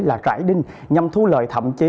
là rải đinh nhằm thu lợi thậm chí